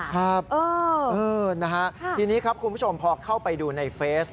ครับนะฮะทีนี้ครับคุณผู้ชมพอเข้าไปดูในเฟซ